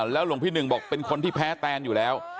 แล้วหลวงพี่หนึ่งบอกเป็นคนที่แพ้แตนอยู่แล้ว